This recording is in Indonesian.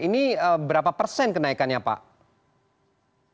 ini berapa persen kenaikannya pak